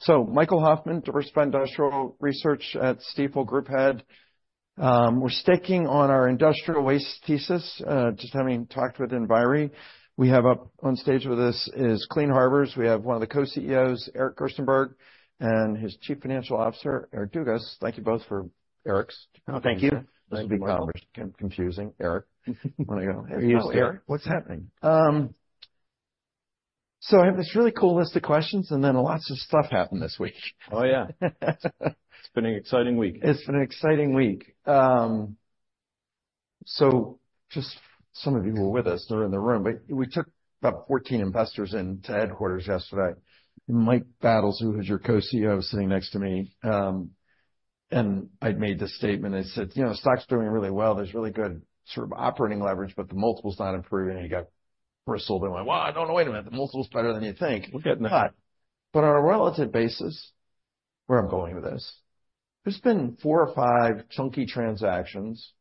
So Michael Hoffman, Diversified Industrial Research at Stifel Group Head. We're sticking on our industrial waste thesis, just having talked with Enviri. We have up on stage with us is Clean Harbors. We have one of the co-CEOs, Eric Gerstenberg, and his Chief Financial Officer, Eric Dugas. Thank you both for - Eric's - Thank you. This will be confusing, Eric. Want to go, "Hello, Eric." What's happening? So I have this really cool list of questions, and then lots of stuff happened this week. Oh, yeah. It's been an exciting week. It's been an exciting week. So just some of you who are with us are in the room, but we took about 14 investors into headquarters yesterday. Mike Battles, who is your co-CEO, sitting next to me, and I'd made this statement. I said, "You know, stock's doing really well. There's really good sort of operating leverage, but the multiple's not improving." He got bristled and went, "Well, I don't know. Wait a minute. The multiple's better than you think." Look at that. But on a relative basis, where I'm going with this, there's been 4 or 5 chunky transactions.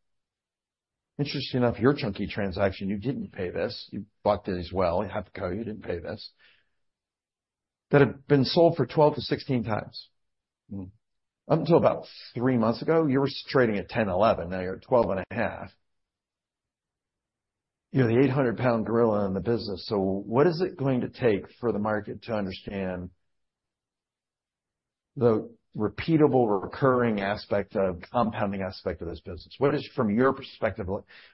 Interesting enough, your chunky transaction, you didn't pay this. You bought it as well. You have co, you didn't pay this. That have been sold for 12-16 times. Mm-hmm. Up until about three months ago, you were trading at 10, 11, now you're at 12.5. You're the 800-pound gorilla in the business, so what is it going to take for the market to understand the repeatable or recurring aspect of, compounding aspect of this business? What is, from your perspective,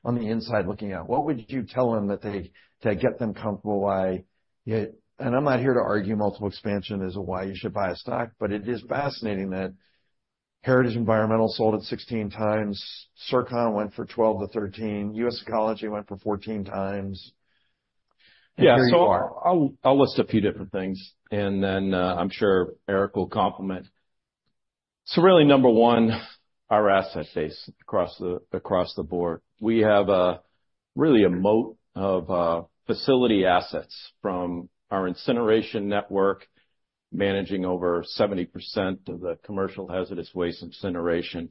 on the inside looking out, what would you tell them that they, to get them comfortable why it... And I'm not here to argue multiple expansion is why you should buy a stock, but it is fascinating that Heritage Environmental sold at 16x, Circon went for 12x-13x, U.S. Ecology went for 14x. Yeah. And here you are. So I'll, I'll list a few different things, and then, I'm sure Eric will complement. So really, number one, our asset base across the board. We have really a moat of facility assets from our incineration network, managing over 70% of the commercial hazardous waste incineration.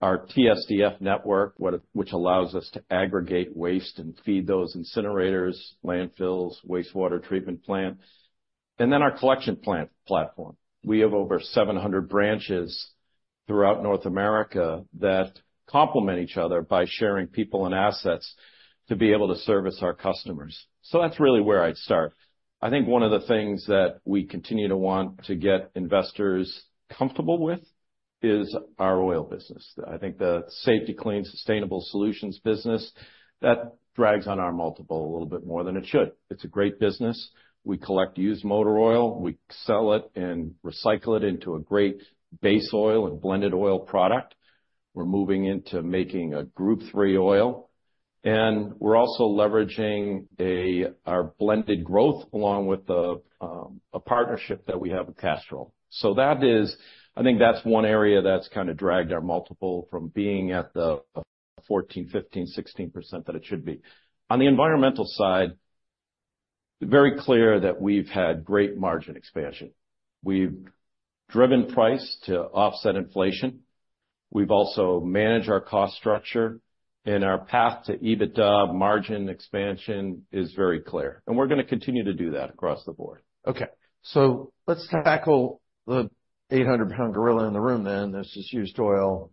Our TSDF network, which allows us to aggregate waste and feed those incinerators, landfills, wastewater treatment plants, and then our collection plant platform. We have over 700 branches throughout North America that complement each other by sharing people and assets to be able to service our customers. So that's really where I'd start. I think one of the things that we continue to want to get investors comfortable with is our oil business. I think the Safety-Kleen Sustainable Solutions business, that drags on our multiple a little bit more than it should. It's a great business. We collect used motor oil, we sell it and recycle it into a great base oil and blended oil product. We're moving into making a Group III oil, and we're also leveraging our blended growth along with the partnership that we have with Castrol. So that is. I think that's one area that's kind of dragged our multiple from being at the 14, 15, 16% that it should be. On the environmental side, very clear that we've had great margin expansion. We've driven price to offset inflation. We've also managed our cost structure, and our path to EBITDA margin expansion is very clear, and we're going to continue to do that across the board. Okay, so let's tackle the 800-pound gorilla in the room then, this is used oil.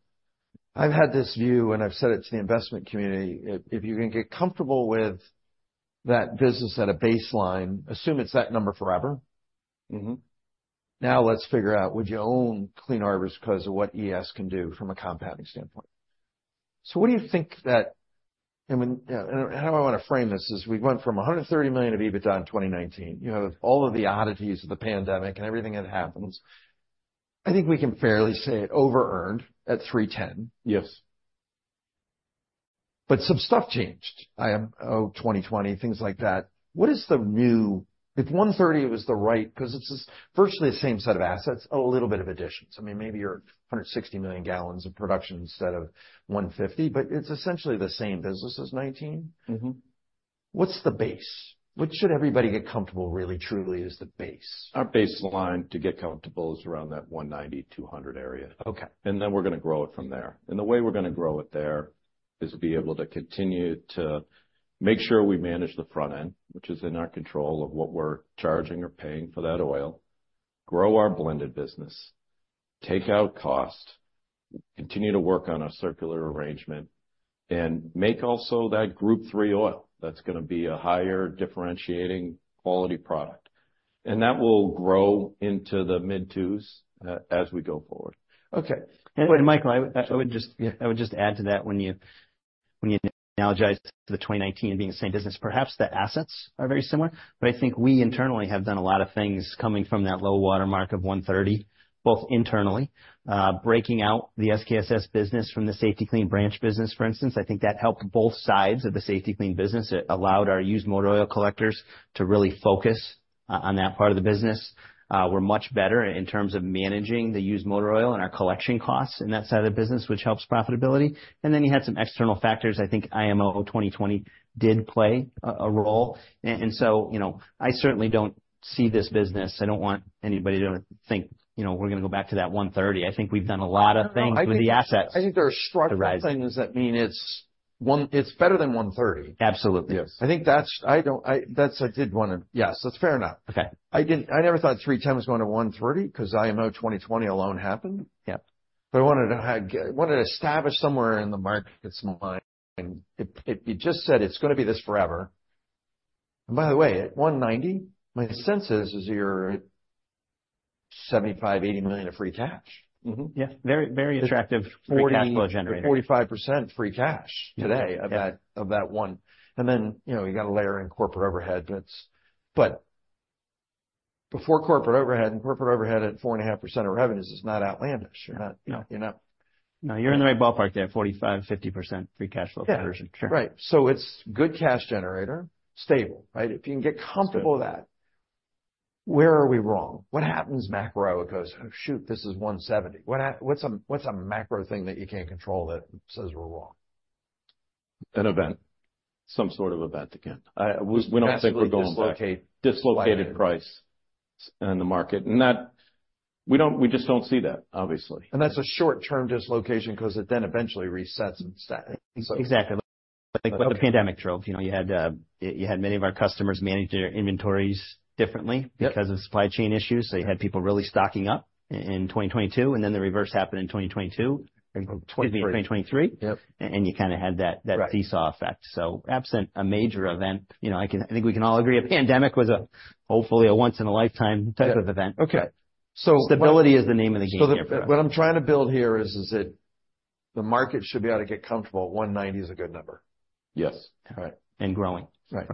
I've had this view, and I've said it to the investment community, if, if you can get comfortable with that business at a baseline, assume it's that number forever. Mm-hmm. Now, let's figure out, would you own Clean Harbors because of what ES can do from a compounding standpoint? So what do you think that... I mean, and how I want to frame this is, we went from $130 million of EBITDA in 2019. You have all of the oddities of the pandemic and everything that happens. I think we can fairly say it over-earned at $310. Yes. But some stuff changed. I'm, oh, 2020, things like that. What is the new... If 130 was the right, because it's virtually the same set of assets, oh, a little bit of additions. I mean, maybe you're at 160 million gallons of production instead of 150, but it's essentially the same business as 2019. Mm-hmm. What's the base? What should everybody get comfortable really, truly is the base? Our baseline to get comfortable is around that 190-200 area. Okay. And then we're going to grow it from there. And the way we're going to grow it there is to be able to continue to make sure we manage the front end, which is in our control of what we're charging or paying for that oil, grow our blended business, take out cost, continue to work on our circular arrangement, and make also that Group III oil. That's going to be a higher differentiating quality product, and that will grow into the mid-2s, as we go forward. Okay. And Michael, I would just add to that when you analogize to the 2019 being the same business, perhaps the assets are very similar, but I think we internally have done a lot of things coming from that low water mark of $130, both internally, breaking out the SKSS business from the Safety-Kleen branded business, for instance. I think that helped both sides of the Safety-Kleen business. It allowed our used motor oil collectors to really focus on that part of the business. We're much better in terms of managing the used motor oil and our collection costs in that side of the business, which helps profitability. And then you had some external factors. I think IMO 2020 did play a role. And so, you know, I certainly don't see this business... I don't want anybody to think, you know, we're going to go back to that $130. I think we've done a lot of things with the assets- I think there are structural things that mean it's better than 130? Absolutely. Yes. I think that's. I did wanna. Yes, that's fair enough. Okay. I didn't. I never thought $3.10 was going to $1.30, 'cause IMO 2020 alone happened. Yep. But I wanted to establish somewhere in the market's mind, if you just said it's gonna be this forever... And by the way, at 190, my sense is you're at $75-$80 million of free cash. Mm-hmm. Yeah. Very, very attractive Free Cash Flow generator. 45% free cash today of that, of that one. And then, you know, you gotta layer in corporate overhead, but it's, but before corporate overhead, and corporate overhead at 4.5% of revenues is not outlandish. You're not, you're not- No, you're in the right ballpark there, 45-50% free cash flow conversion. Yeah. Right. So it's good cash generator, stable, right? If you can get comfortable with that, where are we wrong? What happens, macro, I would go, "Oh, shoot, this is $170." What's a, what's a macro thing that you can't control that says we're wrong? An event, some sort of event again. We don't think we're going back. Dislocated price in the market, and that—we don't, we just don't see that, obviously. That's a short-term dislocation, 'cause it then eventually resets and sta- Exactly. Like, like the pandemic drove, you know, you had many of our customers manage their inventories differently- Yep... because of supply chain issues. So you had people really stocking up in 2022, and then the reverse happened in 2022. In 2023. Excuse me, in 2023. Yep. you kind of had that- Right... that seesaw effect. So absent a major event, you know, I can, I think we can all agree, a pandemic was a, hopefully, a once in a lifetime type of event. Yeah. Okay, so Stability is the name of the game here. What I'm trying to build here is that the market should be able to get comfortable, 190 is a good number? Yes. All right. And growing. Right.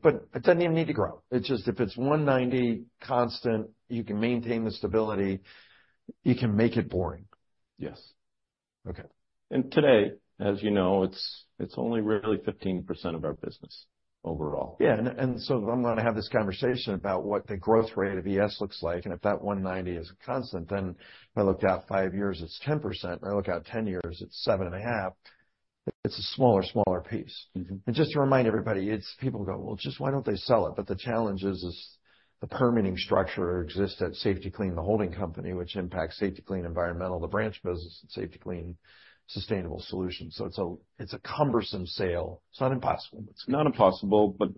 But it doesn't even need to grow. It's just, if it's 190 constant, you can maintain the stability, you can make it boring. Yes. Okay. Today, as you know, it's only really 15% of our business overall. Yeah, and so I'm gonna have this conversation about what the growth rate of ES looks like, and if that 190 is constant, then if I look out 5 years, it's 10%, or I look out 10 years, it's 7.5. It's a smaller, smaller piece. Mm-hmm. Just to remind everybody, it's – people go, "Well, just why don't they sell it?" But the challenge is, the permitting structure exists at Safety-Kleen, the holding company, which impacts Safety-Kleen Environmental, the branch business, and Safety-Kleen Sustainable Solutions. So it's a, it's a cumbersome sale. It's not impossible. Not impossible, but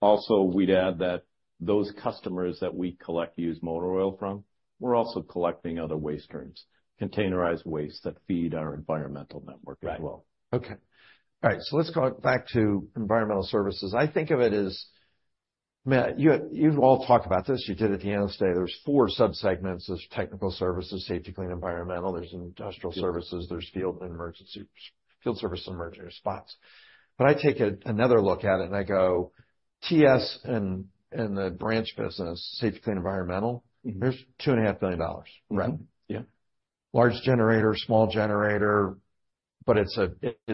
also, we'd add that those customers that we collect used motor oil from, we're also collecting other waste streams, containerized waste that feed our environmental network as well. Right. Okay. All right, so let's go back to environmental services. I think of it as... Man, you, you've all talked about this. You did at the analyst day. There's four subsegments. There's technical services, Safety-Kleen Environmental, there's industrial services, there's field and emergency, field service and emergency response. But I take another look at it, and I go, TS and the branch business, Safety-Kleen Environmental- Mm-hmm... there's $2.5 billion, right? Mm-hmm. Yeah. Large generator, small generator, but it's a,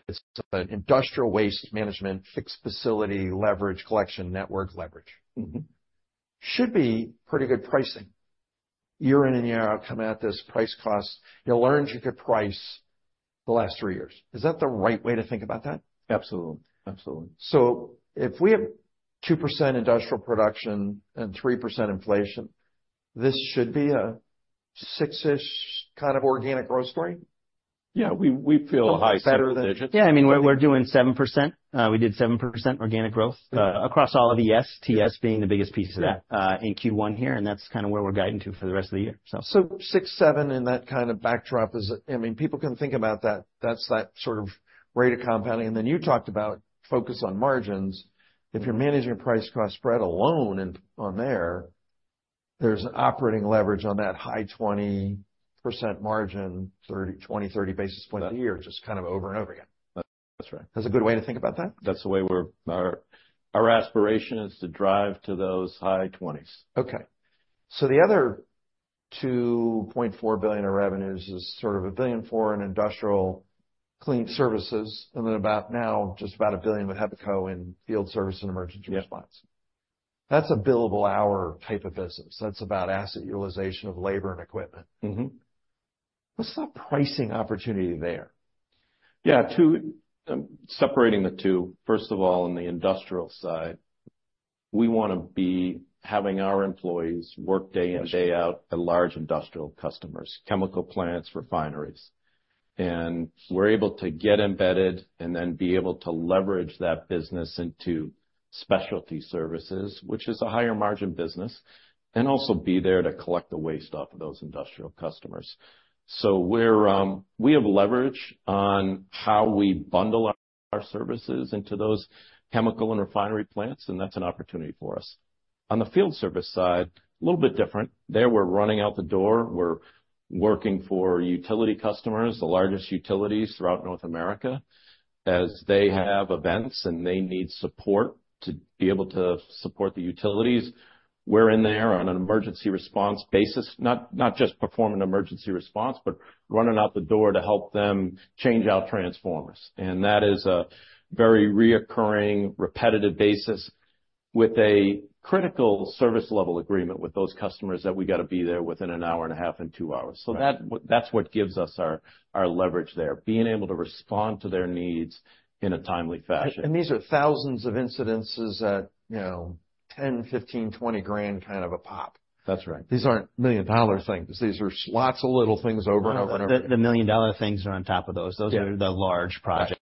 it's an industrial waste management fixed facility. Leverage collection, network leverage. Mm-hmm. Should be pretty good pricing, year in and year out, coming at this price cost. You'll learn you could price the last three years. Is that the right way to think about that? Absolutely. Absolutely. So if we have 2% industrial production and 3% inflation, this should be a 6-ish kind of organic growth rate? Yeah, we feel high single digits. Better than- Yeah, I mean, we're doing 7%. We did 7% organic growth across all of ES, TS being the biggest piece of that. Yeah... in Q1 here, and that's kind of where we're guiding to for the rest of the year, so. So 6, 7, and that kind of backdrop is, I mean, people can think about that, that's that sort of rate of compounding. And then you talked about focus on margins. If you're managing your price cost spread alone and on there, there's operating leverage on that high 20% margin, 30, 20, 30 basis points a year, just kind of over and over again. That's right. That's a good way to think about that? That's the way we're. Our aspiration is to drive to those high twenties. Okay. So the other $2.4 billion in revenues is sort of $1 billion for industrial clean services, and then about now, just about $1 billion with HEPACO in field service and emergency response. Yep. That's a billable hour type of business. That's about asset utilization of labor and equipment. Mm-hmm. What's the pricing opportunity there? Yeah, separating the two, first of all, in the industrial side, we wanna be having our employees work day in, day out at large industrial customers, chemical plants, refineries. And we're able to get embedded and then be able to leverage that business into specialty services, which is a higher margin business, and also be there to collect the waste off of those industrial customers. So we're, we have leverage on how we bundle our services into those chemical and refinery plants, and that's an opportunity for us. On the field service side, a little bit different. There, we're running out the door. We're working for utility customers, the largest utilities throughout North America. As they have events and they need support to be able to support the utilities, we're in there on an emergency response basis, not, not just performing emergency response, but running out the door to help them change out transformers. And that is a very recurring, repetitive basis with a critical service level agreement with those customers that we gotta be there within 1.5-2 hours. Right. So that, that's what gives us our leverage there, being able to respond to their needs in a timely fashion. And these are thousands of incidences at, you know, $10,000, $15,000, $20,000 kind of a pop. That's right. These aren't million-dollar things. These are lots of little things over and over and over. The million-dollar things are on top of those. Yeah. Those are the large projects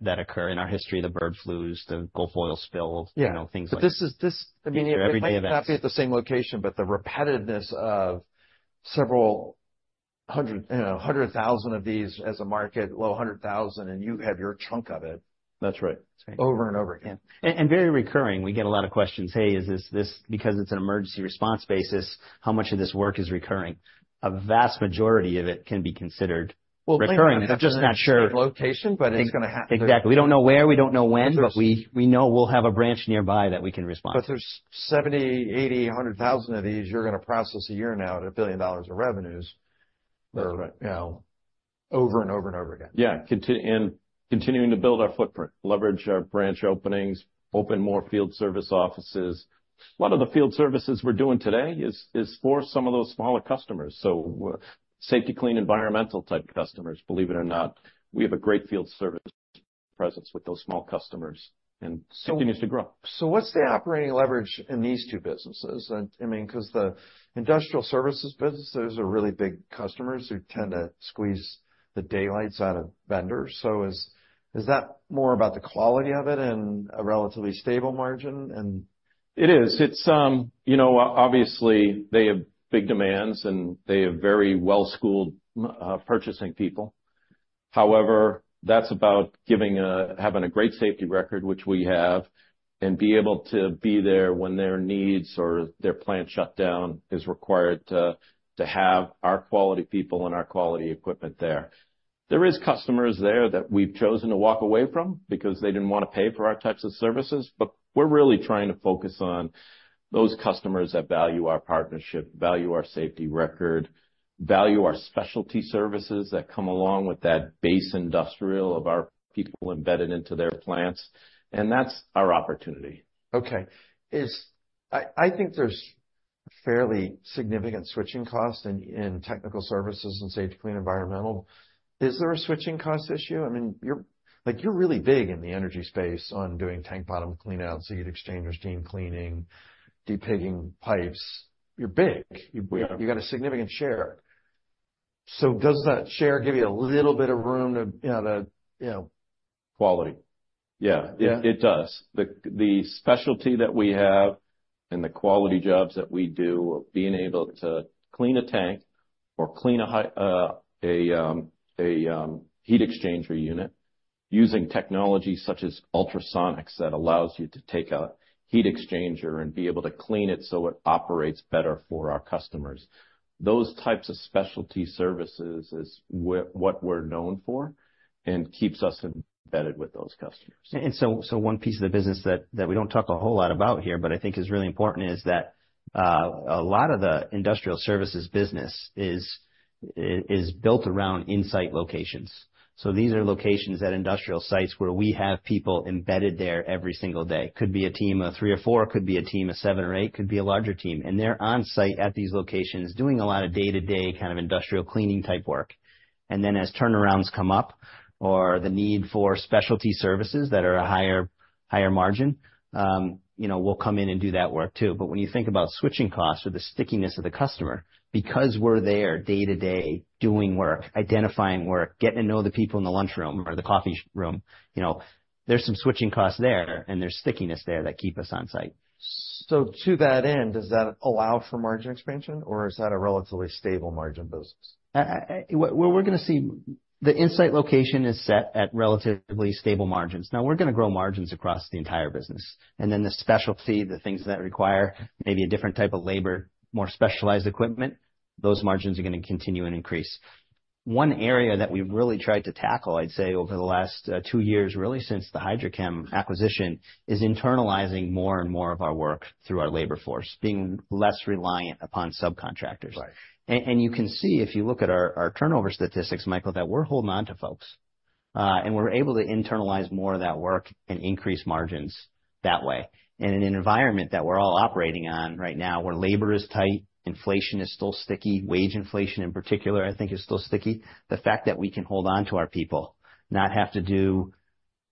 that occur. In our history, the bird flus, the Gulf oil spill- Yeah... you know, things like- But this is- These are everyday events. It might not be at the same location, but the repetitiveness of several hundred thousand, you know, of these as a market. Well, 100,000, and you have your chunk of it. That's right. Over and over again. Very recurring. We get a lot of questions: "Hey, is this because it's an emergency response basis, how much of this work is recurring?" A vast majority of it can be considered recurring. We're just not sure- Location, but it's gonna happen. Exactly. We don't know where, we don't know when, but we, we know we'll have a branch nearby that we can respond. But there's 70, 80, 100,000 of these you're gonna process a year now at $1 billion of revenues. That's right. You know, over and over and over again. Yeah. Continuing to build our footprint, leverage our branch openings, open more field service offices. A lot of the field services we're doing today is for some of those smaller customers. So Safety-Kleen environmental type customers, believe it or not, we have a great field service presence with those small customers and continues to grow. So what's the operating leverage in these two businesses? And, I mean, 'cause the industrial services businesses are really big customers who tend to squeeze the daylights out of vendors. So is, is that more about the quality of it and a relatively stable margin, and- It is. It's, you know, obviously, they have big demands, and they have very well-schooled purchasing people. However, that's about having a great safety record, which we have, and be able to be there when their needs or their plant shutdown is required to have our quality people and our quality equipment there. There is customers there that we've chosen to walk away from because they didn't wanna pay for our types of services, but we're really trying to focus on those customers that value our partnership, value our safety record, value our specialty services that come along with that base industrial of our people embedded into their plants, and that's our opportunity. Okay. I think there's fairly significant switching costs in technical services and Safety-Kleen Environmental. Is there a switching cost issue? I mean, like, you're really big in the energy space on doing tank bottom cleanouts, so you exchange steam cleaning, pigging pipes. You're big. We are. You got a significant share. So does that share give you a little bit of room to, you know, to, you know... Quality. Yeah. Yeah? It does. The specialty that we have and the quality jobs that we do of being able to clean a tank or clean a high heat exchanger unit using technology such as ultrasonics, that allows you to take a heat exchanger and be able to clean it so it operates better for our customers. Those types of specialty services is what we're known for and keeps us embedded with those customers. So one piece of the business that we don't talk a whole lot about here, but I think is really important, is that a lot of the industrial services business is built around InSite locations. So these are locations at industrial sites where we have people embedded there every single day. Could be a team of three or four, could be a team of seven or eight, could be a larger team, and they're on site at these locations, doing a lot of day-to-day kind of industrial cleaning type work. And then, as turnarounds come up or the need for specialty services that are a higher, higher margin, you know, we'll come in and do that work too. When you think about switching costs or the stickiness of the customer, because we're there day to day, doing work, identifying work, getting to know the people in the lunchroom or the coffee room, you know, there's some switching costs there, and there's stickiness there that keep us on site. So to that end, does that allow for margin expansion, or is that a relatively stable margin business? What we're gonna see, the InSite location is set at relatively stable margins. Now, we're gonna grow margins across the entire business, and then the specialty, the things that require maybe a different type of labor, more specialized equipment, those margins are gonna continue and increase. One area that we've really tried to tackle, I'd say, over the last two years, really, since the HydroChem acquisition, is internalizing more and more of our work through our labor force, being less reliant upon subcontractors. Right. You can see, if you look at our turnover statistics, Michael, that we're holding on to folks, and we're able to internalize more of that work and increase margins that way. In an environment that we're all operating on right now, where labor is tight, inflation is still sticky, wage inflation, in particular, I think, is still sticky. The fact that we can hold on to our people, not have to do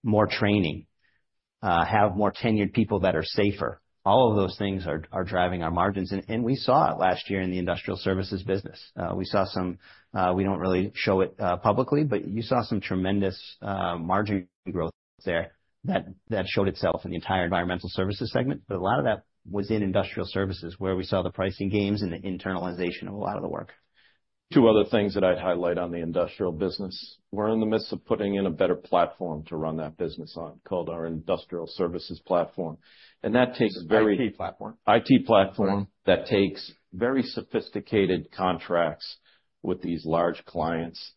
more training, have more tenured people that are safer, all of those things are driving our margins. We saw it last year in the industrial services business. We don't really show it publicly, but you saw some tremendous margin growth there that showed itself in the entire environmental services segment. But a lot of that was in industrial services, where we saw the pricing gains and the internalization of a lot of the work. Two other things that I'd highlight on the industrial business. We're in the midst of putting in a better platform to run that business on, called our Industrial Services Platform, and that takes very- IT platform. IT platform. That takes very sophisticated contracts with these large clients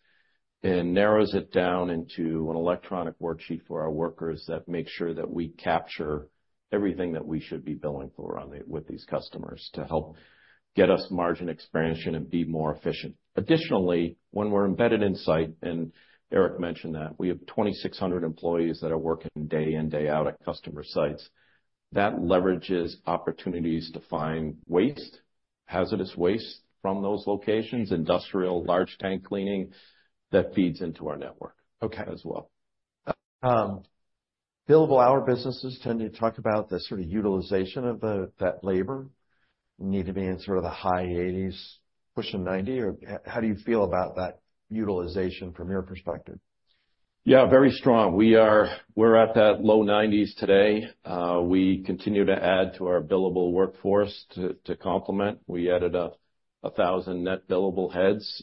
and narrows it down into an electronic worksheet for our workers that make sure that we capture everything that we should be billing for on the with these customers to help get us margin expansion and be more efficient. Additionally, when we're embedded onsite, and Eric mentioned that, we have 2,600 employees that are working day in, day out at customer sites. That leverages opportunities to find waste, hazardous waste from those locations, industrial large tank cleaning that feeds into our network- Okay -as well. Billable hour businesses tend to talk about the sort of utilization of that labor need to be in sort of the high 80s, pushing 90, or how do you feel about that utilization from your perspective? Yeah, very strong. We're at that low 90s today. We continue to add to our billable workforce to complement. We added 1,000 net billable heads.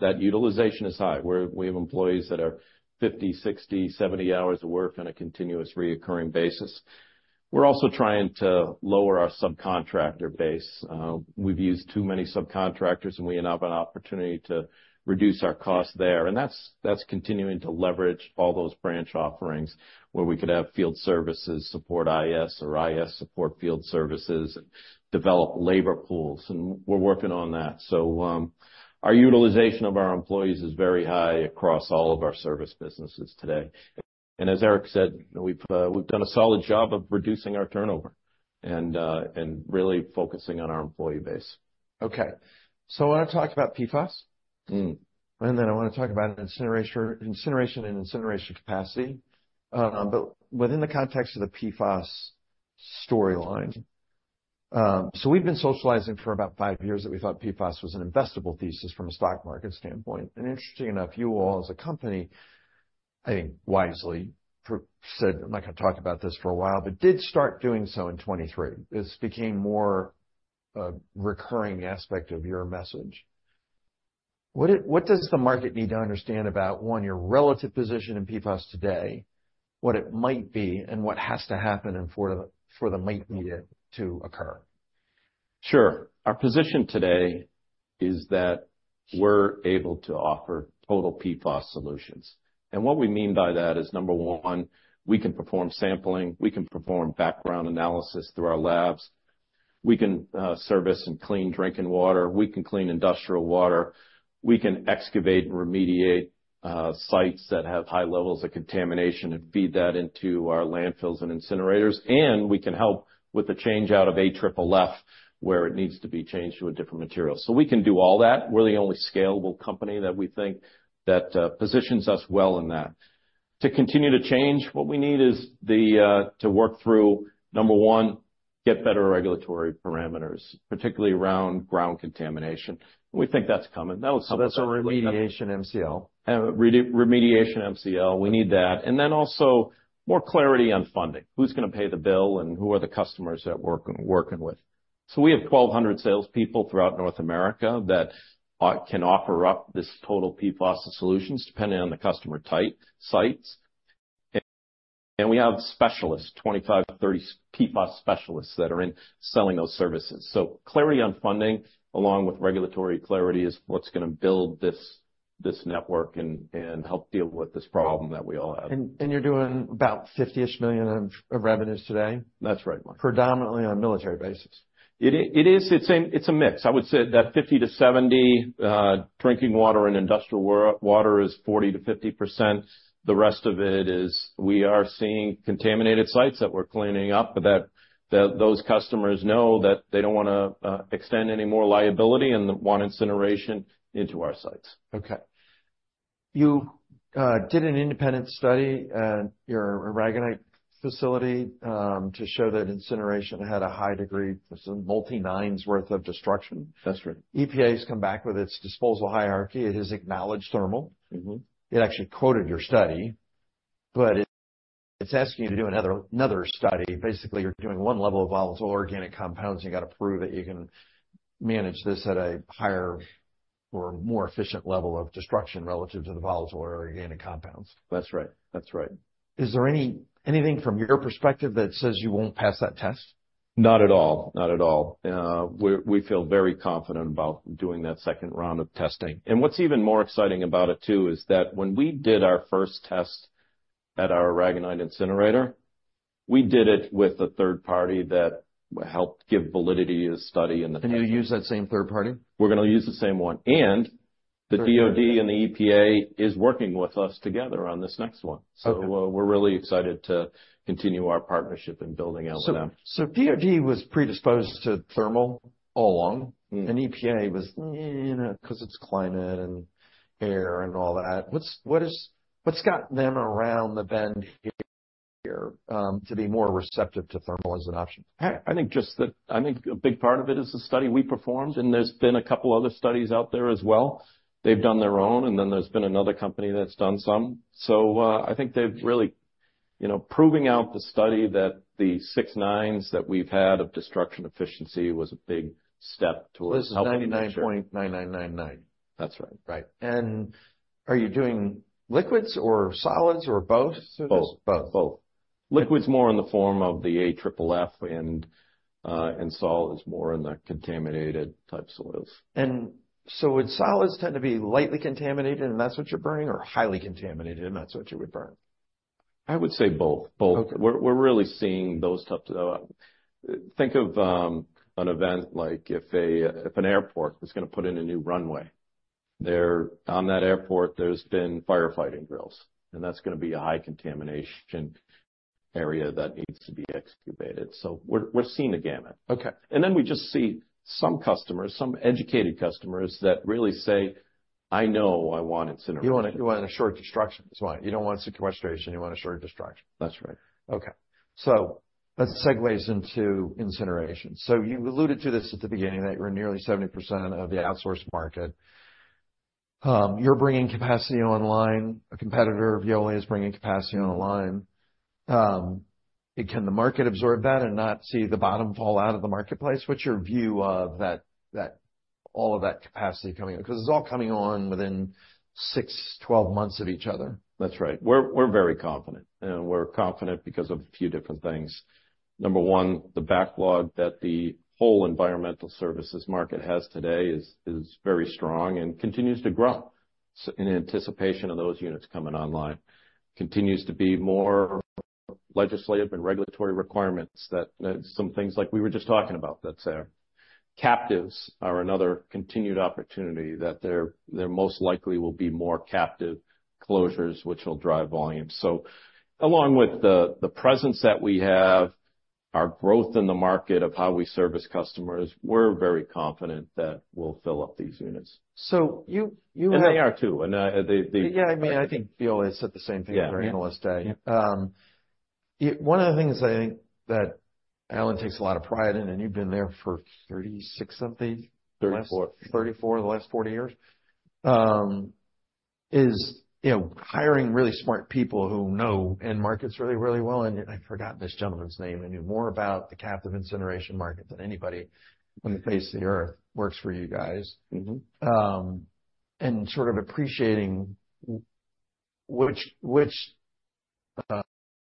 That utilization is high, where we have employees that are 50, 60, 70 hours of work on a continuous recurring basis. We're also trying to lower our subcontractor base. We've used too many subcontractors, and we now have an opportunity to reduce our costs there, and that's continuing to leverage all those branch offerings where we could have field services support IS, or IS support field services, develop labor pools, and we're working on that. So, our utilization of our employees is very high across all of our service businesses today. As Eric said, we've done a solid job of reducing our turnover and really focusing on our employee base. Okay, so I wanna talk about PFAS. Mm. And then I wanna talk about incineration, incineration and incineration capacity, but within the context of the PFAS storyline. So we've been socializing for about five years that we thought PFAS was an investable thesis from a stock market standpoint. And interestingly enough, you all as a company, I think wisely, first said, "I'm not gonna talk about this for a while," but did start doing so in 2023. This became more a recurring aspect of your message. What does the market need to understand about, one, your relative position in PFAS today, what it might be, and what has to happen for the market need it to occur? Sure. Our position today is that we're able to offer total PFAS solutions. What we mean by that is, number one, we can perform sampling, we can perform background analysis through our labs, we can service and clean drinking water, we can clean industrial water, we can excavate and remediate sites that have high levels of contamination and feed that into our landfills and incinerators, and we can help with the change out of AFFF, where it needs to be changed to a different material. We can do all that. We're the only scalable company that we think that positions us well in that. To continue to change, what we need is the to work through, number one, get better regulatory parameters, particularly around ground contamination. We think that's coming. That was- That's a remediation MCL. Remediation MCL, we need that. And then also more clarity on funding. Who's gonna pay the bill, and who are the customers that we're working with? So we have 1,200 salespeople throughout North America that can offer up this total PFAS solutions, depending on the customer type, sites. And we have specialists, 25, 30 PFAS specialists, that are in selling those services. So clarity on funding, along with regulatory clarity, is what's gonna build this network and help deal with this problem that we all have. You're doing about $50-ish million of revenues today? That's right. Predominantly on a military basis. It is, it is... It's a, it's a mix. I would say that 50-70 drinking water and industrial water is 40%-50%. The rest of it is, we are seeing contaminated sites that we're cleaning up, but that, that those customers know that they don't wanna extend any more liability and want incineration into our sites. Okay. You did an independent study at your Aragonite facility to show that incineration had a high degree, so multi-nines worth of destruction? That's right. EPA has come back with its disposal hierarchy. It has acknowledged thermal. Mm-hmm. It actually quoted your study, but it's asking you to do another study. Basically, you're doing one level of volatile organic compounds, and you got to prove that you can manage this at a higher or more efficient level of destruction relative to the volatile organic compounds. That's right. That's right. Is there anything from your perspective that says you won't pass that test? Not at all. Not at all. We're, we feel very confident about doing that second round of testing. And what's even more exciting about it, too, is that when we did our first test at our Aragonite incinerator, we did it with a third party that helped give validity to the study and the- You'll use that same third party? We're gonna use the same one. The DoD and the EPA is working with us together on this next one. Okay. So we're really excited to continue our partnership in building out with them. So DoD was predisposed to thermal all along. Mm. EPA was, "Eh," you know, 'cause it's climate and air and all that. What's gotten them around the bend here to be more receptive to thermal as an option? I think just that. I think a big part of it is the study we performed, and there's been a couple other studies out there as well. They've done their own, and then there's been another company that's done some. So, I think they've really, you know, proving out the study that the six nines that we've had of destruction efficiency was a big step towards- This is 99.9999. That's right. Right. And are you doing liquids or solids or both? Both. Both. Both. Liquids more in the form of the AFFF and solids more in the contaminated type soils. Would solids tend to be lightly contaminated, and that's what you're burning, or highly contaminated, and that's what you would burn? I would say both. Both. Okay. We're really seeing those types. Think of an event like if an airport is gonna put in a new runway, there, on that airport, there's been firefighting drills, and that's gonna be a high contamination area that needs to be excavated. So we're seeing a gamut. Okay. And then we just see some customers, some educated customers, that really say, "I know I want incineration. You want, you want sure destruction, that's why. You don't want sequestration, you want sure destruction. That's right. Okay... So that segues into incineration. So you've alluded to this at the beginning, that you're nearly 70% of the outsourced market. You're bringing capacity online. A competitor of Veolia is bringing capacity online. Can the market absorb that and not see the bottom fall out of the marketplace? What's your view of that—all of that capacity coming in? Because it's all coming on within 6-12 months of each other. That's right. We're very confident, and we're confident because of a few different things. Number one, the backlog that the whole environmental services market has today is very strong and continues to grow in anticipation of those units coming online. Continues to be more legislative and regulatory requirements that some things like we were just talking about, that's there. Captives are another continued opportunity, that there most likely will be more captive closures, which will drive volume. So along with the presence that we have, our growth in the market of how we service customers, we're very confident that we'll fill up these units. So you have- They are, too, and they... Yeah, I mean, I think Veolia said the same thing at their Analyst Day. Yeah. Yep. One of the things I think that Alan takes a lot of pride in, and you've been there for 36 something? 34. 34, the last 40 years. You know, hiring really smart people who know end markets really, really well, and I've forgotten this gentleman's name, and knew more about the captive incineration market than anybody on the face of the earth, works for you guys. Mm-hmm. And sort of appreciating which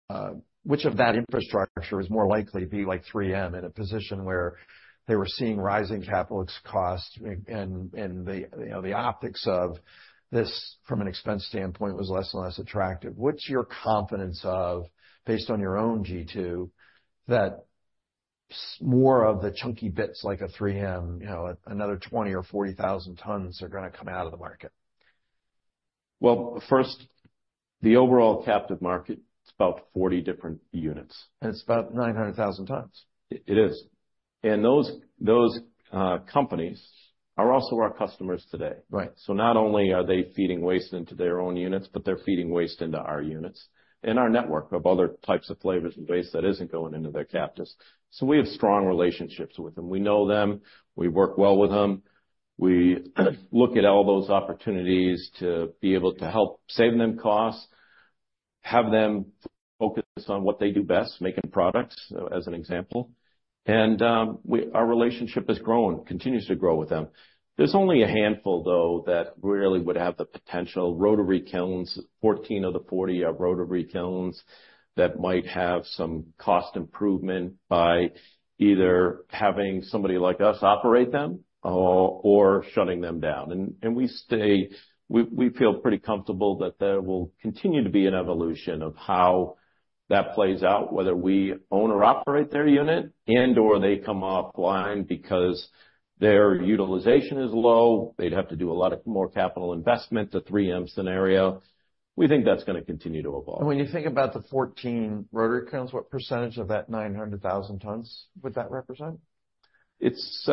of that infrastructure is more likely be like 3M, in a position where they were seeing rising CapEx costs and, you know, the optics of this from an expense standpoint, was less and less attractive. What's your confidence of, based on your own G2, that some more of the chunky bits, like a 3M, you know, another 20,000 or 40,000 tons, are gonna come out of the market? Well, first, the overall captive market is about 40 different units. It's about 900,000 tons. It is. And those companies are also our customers today. Right. So not only are they feeding waste into their own units, but they're feeding waste into our units, and our network of other types of flavors and waste that isn't going into their captives. So we have strong relationships with them. We know them. We work well with them. We look at all those opportunities to be able to help save them costs, have them focus on what they do best, making products, as an example, and we, our relationship has grown, continues to grow with them. There's only a handful, though, that really would have the potential. Rotary kilns, 14 of the 40 are rotary kilns, that might have some cost improvement by either having somebody like us operate them or, or shutting them down. We feel pretty comfortable that there will continue to be an evolution of how that plays out, whether we own or operate their unit and/or they come offline because their utilization is low. They'd have to do a lot of more capital investment, the 3M scenario. We think that's gonna continue to evolve. When you think about the 14 rotary kilns, what percentage of that 900,000 tons would that represent? It's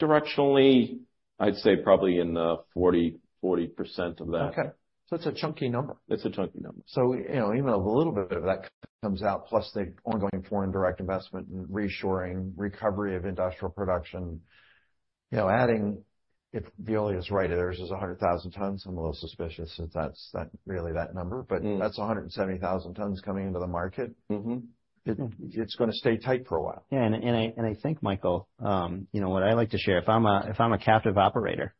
directionally, I'd say probably in the 40, 40% of that. Okay. So it's a chunky number. It's a chunky number. So, you know, even a little bit of that comes out, plus the ongoing foreign direct investment and reshoring, recovery of industrial production, you know, adding, if Veolia is right, theirs is 100,000 tons. I'm a little suspicious if that's really that number. Mm. But that's 170,000 tons coming into the market. Mm-hmm. It's gonna stay tight for a while. Yeah, and I think, Michael, you know, what I like to share, if I'm a captive operator,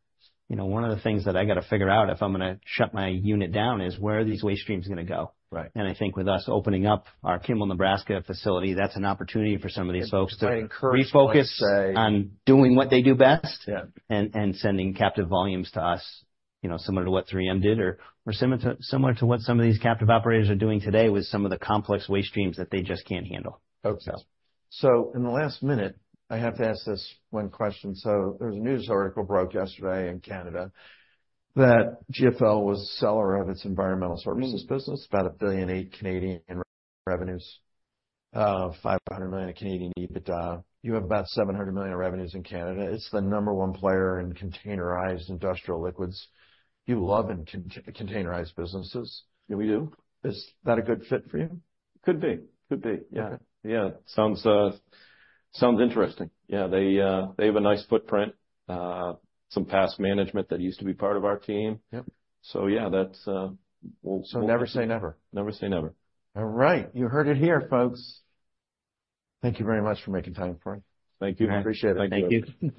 you know, one of the things that I gotta figure out, if I'm gonna shut my unit down, is where are these waste streams gonna go? Right. I think with us opening up our Kimball, Nebraska facility, that's an opportunity for some of these folks to- I encourage- Refocus on doing what they do best. Yeah. And sending captive volumes to us, you know, similar to what 3M did or similar to what some of these captive operators are doing today with some of the complex waste streams that they just can't handle. Okay. So in the last minute, I have to ask this one question. So there was a news article broke yesterday in Canada, that GFL was a seller of its environmental services business, about 1.8 billion revenues, five hundred million Canadian. But you have about 700 million of revenues in Canada. It's the number one player in containerized industrial liquids. You love containerized businesses. We do. Is that a good fit for you? Could be. Could be, yeah. Yeah. Sounds, sounds interesting. Yeah, they, they have a nice footprint, some past management that used to be part of our team. Yep. So yeah, that's, we'll- Never say never. Never say never. All right. You heard it here, folks. Thank you very much for making time for me. Thank you. I appreciate it. Thank you.